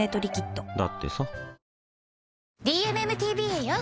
だってさ